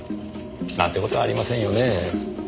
なんて事はありませんよね。